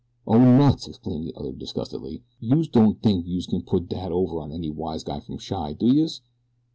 "Oh, nuts!" exclaimed the other disgustedly. "Youse don't tink youse can put dat over on any wise guy from Chi, do youse?